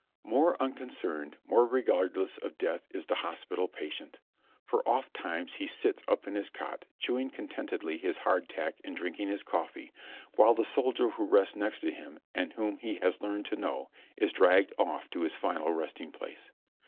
More unconcerned, more regardless of death is the hospital patient; for oft times he sits up in his cot chewing contentedly his hardtack and drinking his coffee, while the soldier who rests next to him, and whom he has learned to know, is dragged off to his final resting place.